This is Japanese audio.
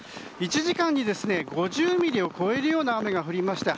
１時間に５０ミリを超えるような雨が降りました。